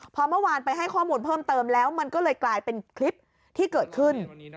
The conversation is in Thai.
พอเมื่อวานไปให้ข้อมูลเพิ่มเติมแล้วมันก็เลยกลายเป็นคลิปที่เกิดขึ้น